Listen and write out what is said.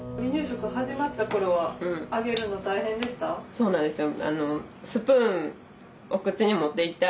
そうなんですよ。